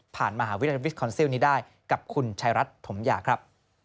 มหาวิทยาลัยวิสคอนซิลนี้ได้กับคุณชายรัฐถมยาครับ